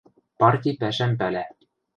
Парти пӓшӓм пӓлӓ.